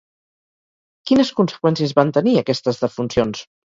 Quines conseqüències van tenir aquestes defuncions?